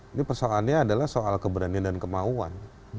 ini persoalannya adalah soal keberanian dan kemauan